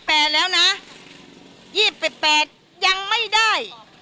เนี่ย๒๘แล้วนะ๒๘ยังไม่ได้